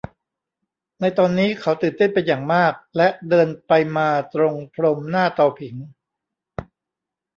ในตอนนี้เขาตื่นเต้นเป็นอย่างมาก และเดินไปมาตรงพรมหน้าเตาผิง